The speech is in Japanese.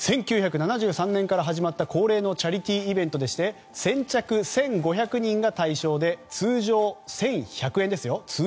１９７３年から始まった恒例のチャリティーイベントで先着１５００人が対象で通常１１００円。